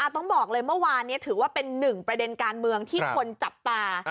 ต้องบอกเลยเมื่อวานนี้ถือว่าเป็นหนึ่งประเด็นการเมืองที่คนจับตา